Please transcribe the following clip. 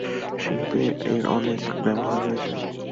শিল্পে এর অনেক ব্যবহার রয়েছে।